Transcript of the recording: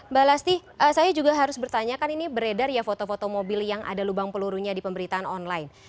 mbak lasti saya juga harus bertanyakan ini beredar ya foto foto mobil yang ada lubang pelurunya di pemberitaan online